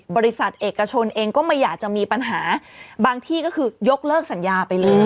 บริษัทเอกชนเองก็ไม่อยากจะมีปัญหาบางที่ก็คือยกเลิกสัญญาไปเลย